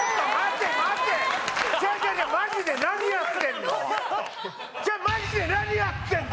違う違うマジで何やってんの？